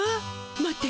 待って。